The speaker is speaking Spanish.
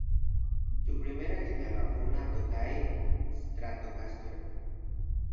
Su primera guitarra fue una Tokai Stratocaster.